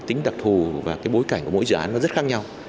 tính đặc thù và bối cảnh của mỗi dự án rất khác nhau